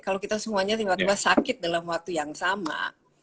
kalau kita semuanya tiba tiba sakit dalam waktu yang sama